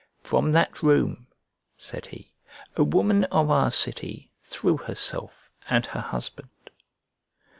"From that room," said he, "a woman of our city threw herself and her husband."